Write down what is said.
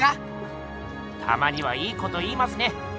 たまにはいいこと言いますね。